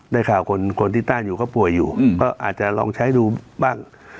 ได้ข่าวคนที่ต้านอยู่เขาป่วยอยู่ก็อาจจะลองใช้ดูบ้าง